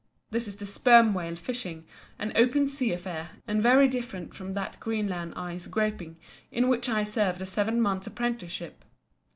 This is the sperm whale fishing, an open sea affair, and very different from that Greenland ice groping in which I served a seven months' apprenticeship.